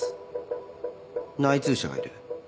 内通者がいる。